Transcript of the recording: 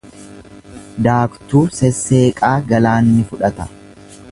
Daaktuu sesseeqaa galaanni fudhata.